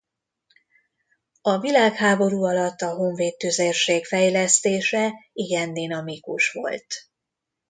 A világháború alatt a honvéd tüzérség fejlesztése igen dinamikus volt.